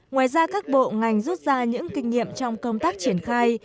ngoài ra các bộ ngành rút ra những kinh nghiệm trong công tác triển khai